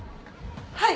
はい。